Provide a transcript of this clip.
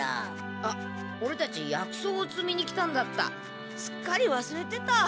あオレたち薬草をつみに来たんだった！すっかりわすれてた。